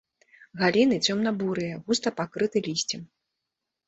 Галіны цёмна-бурыя, густа пакрыты лісцем.